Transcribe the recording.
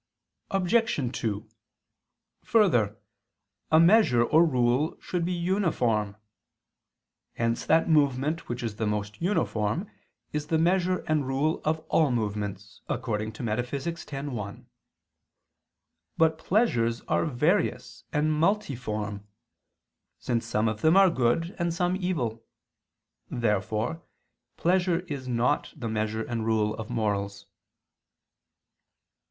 Obj. 2: Further, a measure or rule should be uniform; hence that movement which is the most uniform, is the measure and rule of all movements (Metaph. x, 1). But pleasures are various and multiform: since some of them are good, and some evil. Therefore pleasure is not the measure and rule of morals.